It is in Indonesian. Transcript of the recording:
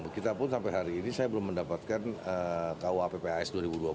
kita pun sampai hari ini saya belum mendapatkan kuappis dua ribu dua puluh